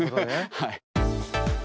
はい。